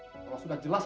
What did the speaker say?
kalau sudah jelas